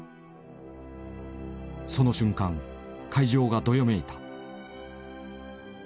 その瞬間会場がどよめいた。